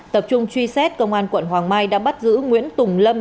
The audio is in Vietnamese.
tập trung truy xét công an quận hoàng mai đã bắt giữ nguyễn tùng lâm